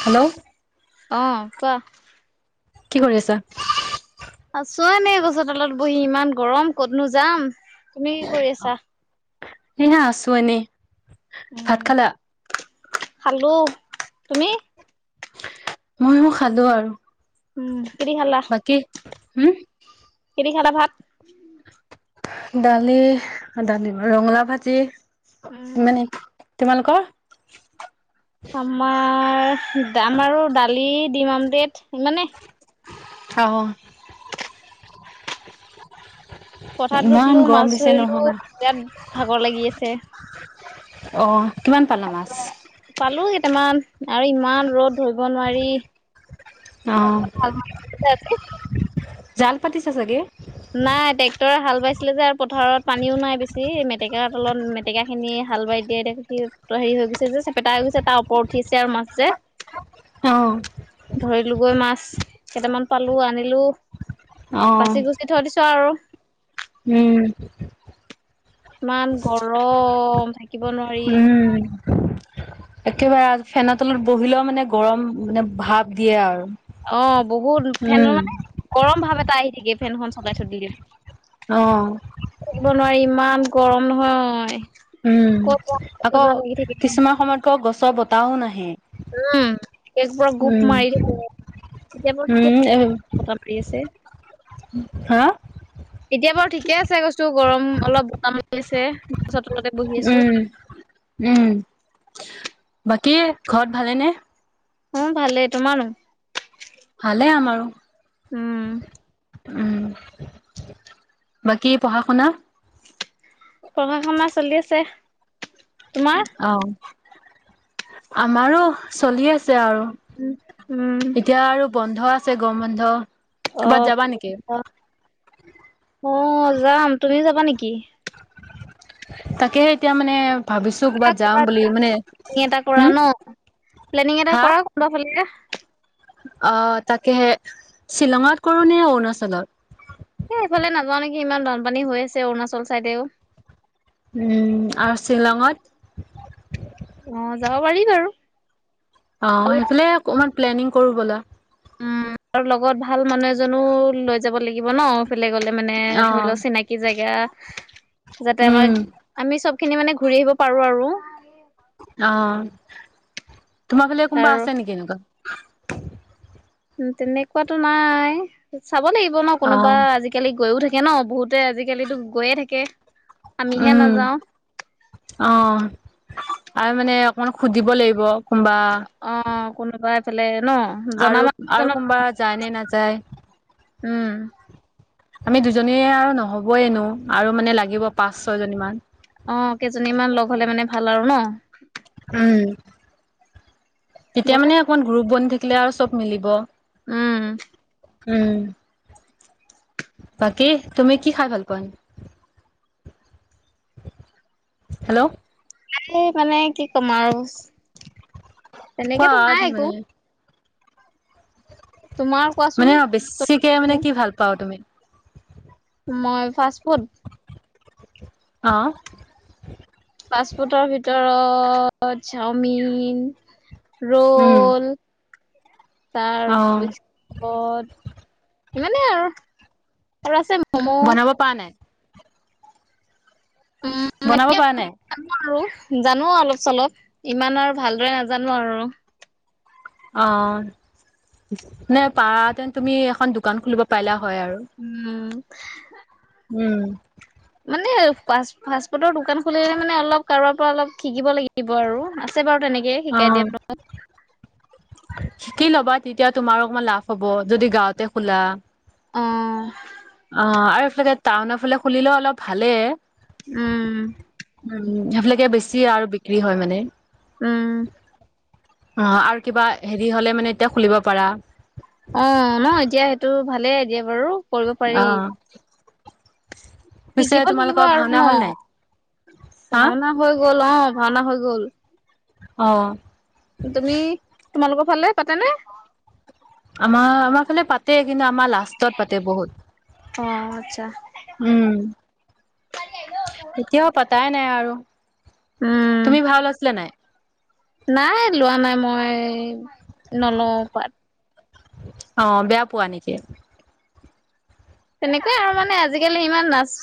Hello অ কোৱা কি কৰি আছা? আছোৱা নে গছৰ তালত বহি ইমান গৰম ক'তনো যাম। তুমি কি কৰি আছা এয়া আছো এনেই। ভাত উম, খালা? খালো তুমি। ময়ো খালো আৰু। উম কিদি খালা বাকী উম, কি খালা ভাত। দালি-দালি ৰঙালাউ ভাজি উম, ইমানে তোমালোকৰ? আমাৰ দাম আৰু দালি দিম আম দেট ইমানে অহ', পথত গৈছিলো মাছ ধৰিলো নহয়। বিৰাত ভাগৰ লাগি আছে। অ' কিমান পালা মাছ? আহিলোয়ে পালো কেইটামান আৰু ইমান ৰদ ধৰিব নোৱাৰি। অ' পথাৰত হাল মাৰিছে নে আজি। জালপাতিচে চাগে। নাই ট্ৰেক্টৰে হাল বাইছিলে যে আৰু পথাৰত পানীও নাই বেছি মেটেকাৰ তলত মেটেকা খিনি হাল বাই দিয়াই দে সি। হেৰি হৈ গৈছে যে চেপেটা হৈ গৈছে তাৰ ওপৰত উঠিছে আৰু মাছে। অ', ধৰিলোগৈ মাছ কেইটামান পালো আনিলো। অহ ', চাৰ উম ইমান গৰম থাকিব নোৱাৰি। উম। একেবাৰে ফেন তলত বহিলেও মানে গৰম মানে ভাৱ দিয়ে আৰু। অ, বহুত উম ফেনৰ মানে গৰম ভাৱ এটা আহি থগে ফেনখন চগাই থ দিলি। অহ ', নোৱাৰ ইমান গৰম নহয়। উম, ক'ত আকৌ যাম লাগি থাকে কিছুমান সময়তক গছৰ বতাহও নাহে। উম, একব গুপ উম, মাৰি এতিয়া বৰ ঠিকে উম, এ কথা পাতি আছে হা এতিয়া বাৰু ঠিক ঠিকে আছে কৈছো গৰম অলপ বকাম লাগিছে। উম - উম বাকী ঘৰত ভালে নে। অ, ভালে তোমাৰ নু ভালে আমাৰো উম উম, বাকী পঢ়া শুনা? পঢ়া শুনা চলি আছ। অ, আমাৰো চলি আছে। আৰু উম। উম। এতিয়া আৰু বন্ধ আছে গৰম বন্ধ। অ, ক'ৰবাত যাবা নেকি? আহ, অ, যাম তুমিও যাবা নেকি? তাকেহে এতিয়া মানে ভাবিছো ক'ৰবাত যাম বুলি প্লেনিং মানে এটা কৰা হম, ন প্লেনিং এটা হা কৰা কোনোবা ফালে এ অ, তাকেহে শ্বিলঙত কৰো নে অৰুণাচলত এ এইফালে নাযাও নেকি ইমান বানপানী হৈ আছে অৰুণাচল চাইডেও। উম, আৰু শ্বিলঙত। অ, যাব পাৰি বাৰু। অ, সেইফালে অকমান প্লেনিং কৰো বলা। উম, আৰু লগত ভাল মানুহ এজনো লৈ যাব লাগিব ন। ক গ'লে মানে ধৰি অ', লওক চিনাকি জেগা। যাতে উম, আমাৰ আমি চব খিনি মানে ঘূৰি আহিব পাৰো আৰু। অ তোমাৰ ফালে কোনোবা আৰু আছে নেকি এনেকুৱা। উ তেনেকুৱাতো নাই চাব লাগিব ন কোনোবা অ', আজিকালি গৈও থাকে। থাকে ন বহুতে আজিকালি গৈয়ে থাকে। আমিহে উম নাযাও অহ। আৰু মানে অকমান সুধিব লাগিব। কোনোবা অ কোনোবাইফালে। ন জ আৰু মান আৰু কোনোবা যায় নে নাযায় উম। আমি দুজনীয়ে আৰু নহ'বই এনো আৰু মানে লাগিব পাঁচ ছয় জনী মান। অ কেইজনী মান লগ হলে মানে ভাল আৰু ন। উম তেতিয়া ব'লা মানে অকমান গ্ৰুপ বনি থাকিলে আৰু চব মিলিব। উম। উম। বাকী তুমি কি খাই ভাল পোৱা নু। হেল্ল'। তাই মানে কি ক'ম আৰু কোৱা তেনেকেতো নাই মানে একো। তোমাৰ কোৱাচোন মানে বেছিকে মানে কি ভাল পোৱা তুমি। মই ফাষ্ট ফুড। অহ। পাষ্টফুটৰ ভিতৰত চাওমিন। উম, ৰল। তাৰ অ', পিছত ইমানে আৰু। আৰু আছে ম'ম'। বনাব পৰা নাই? উম বনাব পৰা নাই? জানোঁ আৰু জানো অলপ। চলপ ইমান আৰু ভালদৰে নাজানোঁ আৰু। অ নে পাৰতেন তুমি এখন দোকান খুলিব পাৰিলা। হয় আৰু। উম। উম। মানে ফাষ্ট ফাষ্টফুডৰ দোকান খুলিলে মানে অলপ কাৰোবাৰ পৰা অলপ শিকিব লাগিব আৰু আছে বাৰু। তেনেকে শিকাই দিয়া ন। শিকি লবা তেতিয়া তোমাৰো অকমান লাভ হ'ব যদি গাওঁতে খোলা। অ। অ আৰু এইফালে টাউনফালে খুলিলেও অলপ ভালে। উম। উ সেইবিলাকে বেছি আৰু বিক্ৰী হয় মানে। উম। অ আৰু কিবা হেৰি হ'লে মানে এতিয়া খুলিব পাৰা। অ ন এতিয়া সেইটো ভালে এ দিয়া বাৰু। কৰিব পাৰি অহ। শিকিব লাগিব আৰু ভাওনা ন হ'ল নাই? হা পঢ়াশুনা হৈ গ। গ'ল অ ভাওনা হৈ গ'ল। অহ। তুমি তোমালোকৰ ফালে পাতেনে? আমাৰ আমাৰ ফালে পাতে কিন্তু আমাৰ লাষ্টত পাতে অ আচ্ছা বহুত। উম এতিয়াও পাতাই নাই আৰু। উম তুমি ভাল আছিলা নাই। নাই লোৱা নাই মই নলওঁ পাত। অ বেয়া পোৱা নেকি? তেনেকুৱাই আৰু মানে আজিকালি ইমান নাচ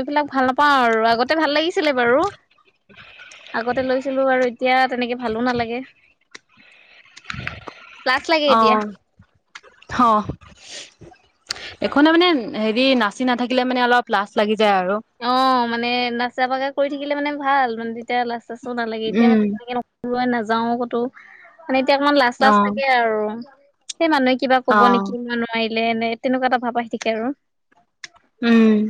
এইবিলাক ভাল নাপাওঁ আৰু আগতে ভাল লাগিছিলে বাৰু। [unintelligible] আগতে লৈছিলোঁ আৰু এতিয়া তেনেকে ভালোঁ নালাগে। লাছ লাগে এতিয়া। অ', অ এখনে মানে হেৰি নাচি নাথাকিলে মানে অলপ লাচ লাগি যায় আৰু। অ মানে নাচা বাগা কৰি থাকিলে মানে ভাল মানে তেতিয়া লাচ চাচো নালাগে এতিয়া মানে তেনেকে ন নাযাওঁ কতোঁ। মানে এতিয়া অকমান লাজ লাজ অহ লাগে আৰু। সেই মানুহে কিবা ক'ব অহ নেকি নোৱাৰিলে এনে তেনেকুৱা এটা ভাৱ আহি থাকে আৰু। উম।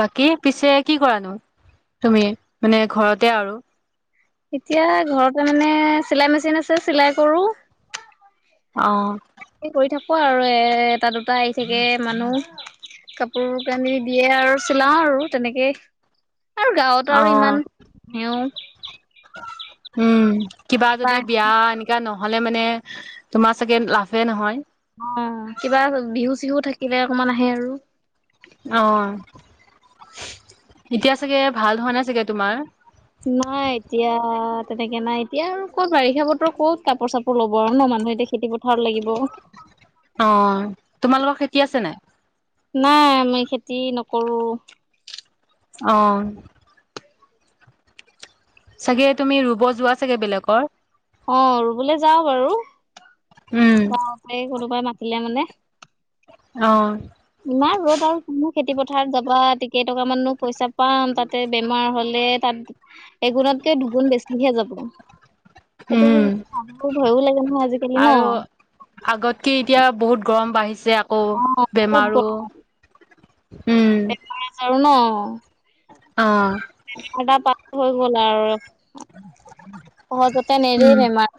বাকী পিছে কি কৰানো তুমি মানে ঘৰতে আৰু? এতিয়া ঘৰতে মানে চিলাই মেচিন আছে চিলাই কৰোঁ। অ। তাকে কৰি থাকোঁ আৰু এ এটা দুটা আহি থাকে মানুহ। কাপোৰ কানি দিয়ে আৰু চিলাও আৰু তেনেকেই। আৰু গাঁৱত অ আৰু ইমান নেও উম কিবা যদি বিয়া এনেকা ন নহ'লে মানে তোমাৰ চাগে লাভে নহয়। অ কিবা বিহু চিহু থাকিলে অকমান আহে আৰু। অ এতিয়া চাগে ভাল হোৱা নাই চাগে তোমাৰ নাই এতিয়া তেনেকে নাই এতিয়া আৰু ক'ত বাৰিষা বতৰ ক'ত কাপোৰ-চাপোৰ ল'ব আৰু ন মান- মানুহে এতিয়া খেতি পত অ তোমালোকৰ খেতি আছে নাই? নাই আমি খেতি নকৰোঁ অহ চাগে তুমি ৰুব যোৱা চাগে বেলেগৰ অ ৰুবলৈ যাওঁ বাৰু উম গাৱতে কোনোবাই মাত মাতিলে মানে অ ইমান ৰ'দ আৰু খেতি পথাৰ যাবা [unintelligible] কেইটকামান নো পইচা পাম তাতে বেমাৰ হ'লে তাত এগুণতকে দুগুণ বেছিহে যাব। সেইটো উম [unintelligible] ভয়ো লাগে নহয় আজিকালি ন আৰু আগতকে এতিয়া বহুত গৰম বাঢ়িছে আকৌ অ বেমাৰো উম বেমাৰ-আজাৰো ন অ [unintelligible] হৈ গ'ল আৰু সহজতে নেৰে উম বেমাৰ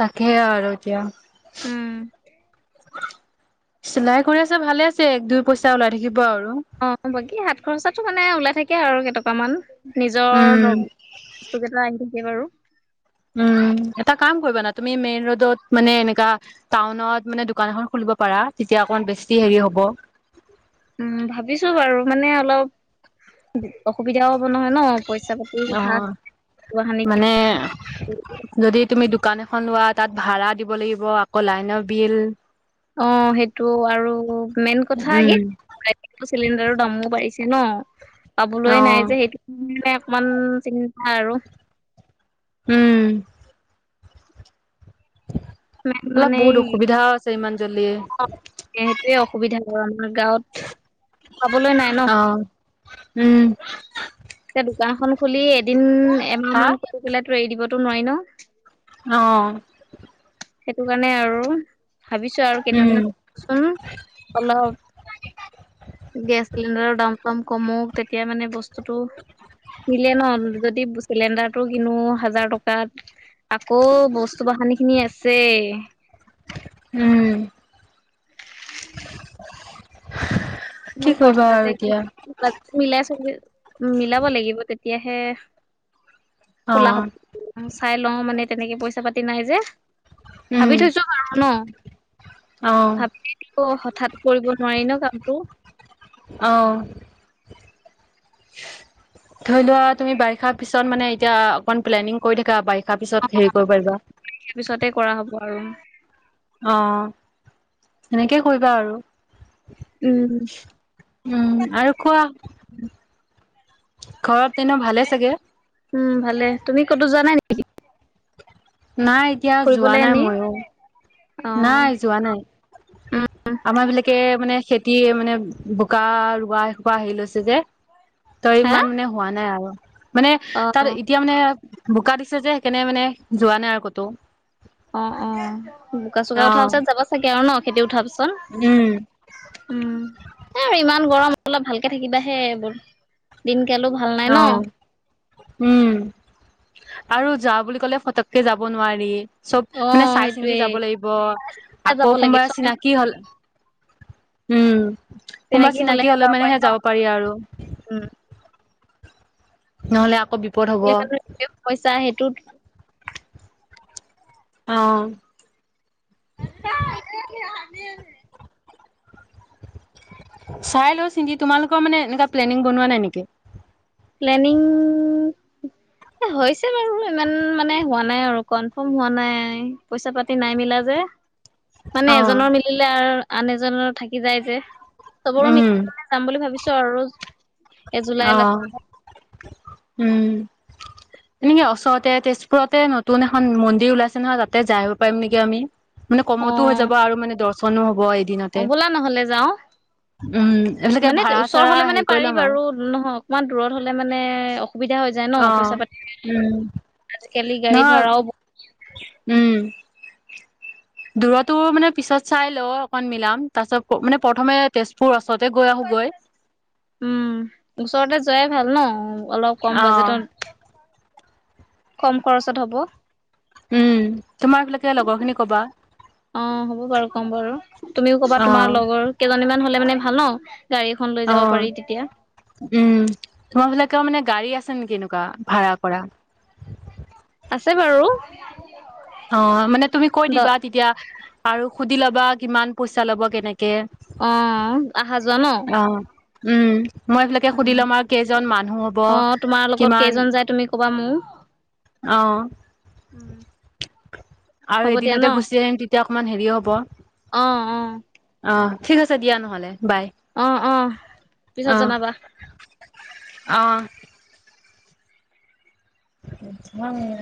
তাকে সে আৰু এতিয়া উম চিলাই কৰি আছে ভালে আছে এক দুই পইচা ওলাই থাকিব আৰু অ বাকী সাত খৰচাতো মানে ওলাই থাকে আৰু কেটক- টকামান নিজৰ উম বস্তুকেইটা আনি থাকে বাৰু। উম এটা কাম কৰিবা না তুমি মেইন ৰোডত মানে এনেকা টাউনত মানে দোকান এখন খুলিব পাৰা তেতিয়া তেতিয়া অকনমান বেছি হেৰি হ'ব উম ভাবিছো বাৰু মানে অলপ [unintelligible] অসুবিধাও হ'ব নহয় ন পইচা পাতিও অ কথা হানি মানে যদি তুমি দোকান এখন এখন লোৱা তাত ভাড়া দিব লাগিব আকৌ লাইনৰ বিল অ সেইটো আৰু মেইন কথা উম কি চিলিণ্ডাৰৰ দামো বাঢ়িছে। ন অ পাবলৈ নাই যে সেইটো কাৰণে অকনমান চিন্তা আৰু উম মেন অলপ মানে এই বহুত অসুবিধাও আছে ইমান জল্দি অ সেইটোৱেই অসুবিধা হয় গাঁৱত পাবলৈ নাই ন অ উম দোকান এখন খুলি এদিন এমাহ হা মান কৰি পেলাইটো এৰি দিবতো নোৱাৰি ন অ সেইটো কাৰণে আৰু ভাবিছোঁ আৰু উম, কেইদিনমান চোন অলপ। গেছ চিলিণ্ডাৰৰ দাম-চাম কম‌ওক তেতিয়া মানে বস্তুটো। নিলে ন যদি। চিলিণ্ডাৰটো কিনো হাজাৰ টকাত আকৌ বস্তু বাহনিখিনি আছে আছেই। উম। কি ইমান কৰিবা খৰচা আৰু আছে এতিয়া মিলাই চলি। উম মিলাব লাগিব তেতিয়াহে খোলা হব অ', চাই লওঁ মানে। তেনেকে পইচা পাতি নাই যে ভাবি উম, থৈছো আৰু ন। অ', ভাবিটো হঠাৎ কৰিব নোৱাৰি ন কামটো। অহ। ধৰি লোৱা তুমি বাৰিষা পিছত মানে এতিয়া অকন প্লেনিং কৰি থাকা বাৰিষা। তাৰপিছত হেৰি কৰিব পাৰিবা সেই পিছতে কৰা হ'ব আৰু অ সেনেকে কৰিবা আৰু। উম। উম আৰু কোৱা। উম ঘৰত। এনে ভালে চাগে উম ভালে তুমি ক'তো যোৱা নাই নেকি? নাই এতিয়া যোৱা ফুৰিবলে নাই এনেই মইয়ো। অ নাই যোৱা নাই উম আমাৰ বিলাকে মানে। খেতিয়ে মানে বোকা ৰোৱা এসোপা হেৰি লৈছে যে। তই হা ইমান মানে হোৱা নাই আৰু মানে অ তাত অ এতিয়া মানে বোকা দি। ছে যে সেইকাৰণে মানে যোৱা নাই আৰু ক'তো। অ অ বোকা চোকা অ উঠা পাছত যাব চাগে আৰু ন খেতি উঠা। কন উম উ আৰু ইমান গৰম। অলপ ভালকে থাকিবাহে বোৰ দিনকালো ভাল নাই অ ন। উম আৰু যা বুলি ক'লে ফটককে যাব নোৱাৰি। চব অ মানে চাই চিন্তি সেইটোয়ে যাব লাগিব যাব আকৌ লাগে কোনবা চিনাকি হ'ল। উম কোনোবা চিনাকি হলেহে হলে পাৰিম মানেহে ন যাব পাৰি আৰু। উম নহ'লে। আকৌ বিপদ হব এইফালে এইটো পইচা সেইটোত। অ। দিয়া নাই। চাই লওঁ চিন্তি তোমালোকৰ মানে এনেকুৱা প্লেনিং বনোৱা নাই নেকি? প্লানিং। এ হৈছে বাৰু ইমান মানে হোৱা নাই আৰু কনফাৰ্ম হোৱা নাই পইচা পাতি নাই মিলা যে। [unintelligible] মানে অ এজনৰ মিলিলে আৰু আন এজনৰ থাকি যায় যে চবৰো উম মিলিলো যাম বুলি ভাবিছোঁ। চৰুজ এ জুলাই অ লা-। উম। এনেকে ওচৰতে তেজপুৰতে নতুন এখন মন্দিৰ ওলাইছে নহয় তাতে যাই আহিব পাৰিম নেকি আমি। মানে অ কমতো হৈ যাব আৰু মানে দৰ্শনো হব। অ এদিনতে বোলা নহলে যাও। উম এইবিলাকে মানে ভাড়া ওচৰ চাড়া হলে মানে হেৰি কৰি পাৰি ল'ম আৰু বাৰু নহয় অকমান দূৰত হলে মানে অস-। সুবিধা হৈ যায় ন অ পইচা পাতি উম আজিকালি গাড়ী নহয় ভাড়াও ব-। উম। দূৰতৰতো মানে পিছত চাই ল অকন মিলাম তাৰ পিছত মানে প্ৰথমে তেজপুৰ অ-। ছতে গৈ আহোঁগৈ। উম ওচৰতে যোৱাই ভাল ন অলপ কম বাজেটত। কম খৰচত হ'ব। উম, তোমাৰ লকে লগৰ খিনি কবা। অ, হ'ব বাৰু কম বাৰু তুমিও কবা অ তোমাৰ লগৰ কেইজনীমান হলে মানে ভাল ন। গাড়ী এখন লৈ অ, যাব পাৰি তেতিয়া উম, তোমাৰ বিলাকেও মানে গাড়ী আছে নেকি এনেকুৱা ভাড়া কৰা। আছে বাৰু। অ, মানে তুমি কৈ দ দিবা তেতিয়া আৰু সুধি লবা কিমান পইচা ল'ব কেনেক কে অ আহা যোৱা ন অহ, মই এইবিলাকে সুধি উম লম আৰু কেইজন মানুহ হ'ব অ তোমাৰ লগত কিমান। কেইজন যায় তুমি কবা মোক অহ', উম আৰু হ'ব দিয়া ন এদিনতে গুচি আহিম তেতিয়া অকণমান হেৰি হ'ব। অ অ অ ঠিক আছে দিয়া নহলে। বাই অ অ পিছত জনাবা অ অ [unintelligible]